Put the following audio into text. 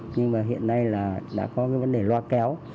nhưng mà hiện nay là đã có cái vấn đề loa kéo